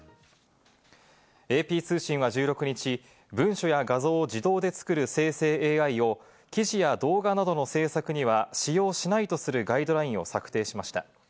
ＡＰ通信は１６日、文書や画像を自動で作る生成ＡＩを、記事や動画などの制作には使用しないとするガイドラインを策定しました。